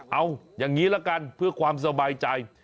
เอาอย่างนี้ละกันเพื่อความสบายใจ